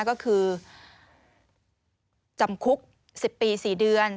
ก็คือจำคุก๑๐ปี๔เดือน